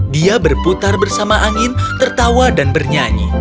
dia berputar bersama angin tertawa dan bernyanyi